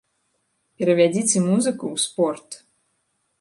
Перавядзіце музыку ў спорт.